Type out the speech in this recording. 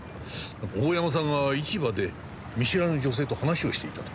大山さんが市場で見知らぬ女性と話をしていたと。